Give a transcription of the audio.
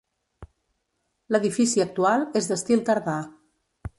L'edifici actual és d'estil tardà.